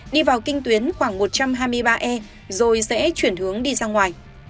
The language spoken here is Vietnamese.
đi vào kinh tuyến khoảng một trăm hai mươi ba e rồi sẽ chuyển hướng đi ra ngoài